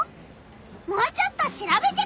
もうちょっと調べてくる！